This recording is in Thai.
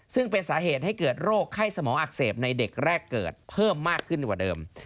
ซึ่งเป็นสาเหตุให้เกิดโรคไข้สมองอักเสบในเด็กแรกเกิดเพิ่มมากขึ้นกว่าเดิม